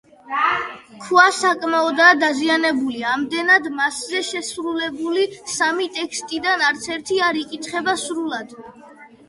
ქვა საკმაოდაა დაზიანებული, ამდენად მასზე შესრულებული სამი ტექსტიდან არცერთი არ იკითხება სრულად.